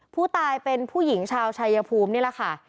ผู้ตายเป็นผู้หญิงชาวชายภูมินี่แหละค่ะ